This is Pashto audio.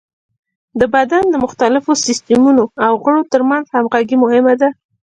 د بدن د مختلفو سیستمونو او غړو تر منځ همغږي مهمه ده.